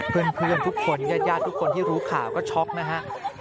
เพื่อนทุกคนญาติทุกคนที่รู้ข่าวก็ช็อกนะฮะ